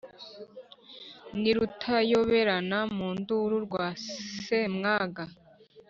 ndi rutayoberana mu nduru rwa semwaga